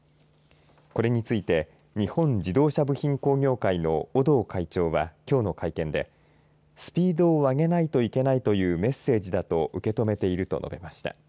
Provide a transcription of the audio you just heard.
これについて日本自動車部品工業会の尾堂会長はきょうの会見でスピードを上げないといけないというメッセージだと受け止めていると述べました。